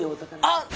あっ！